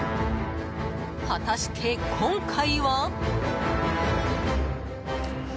果たして、今回は。